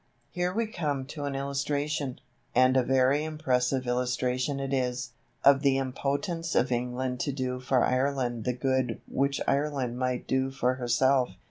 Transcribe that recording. Here we come to an illustration, and a very impressive illustration it is, of the impotence of England to do for Ireland the good which Ireland might do for herself.